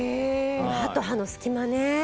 歯と歯の隙間ね。